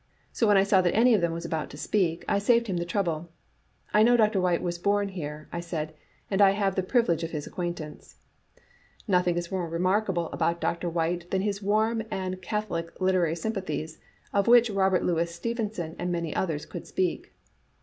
So when I saw that any of them was about to speak, I saved him the trouble. *I know Dr. Whyte was bom here,* I said, *and I have the privilege of his acquaintance. '" Nothing is more Digitized by VjOOQ IC remarkable about Dr. Whyte than his warm and cath olic literary sympathies, of which Robert Louis Steven son and many others could speak.